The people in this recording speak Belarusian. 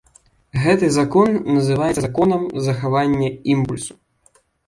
Гэты закон называецца законам захавання імпульсу.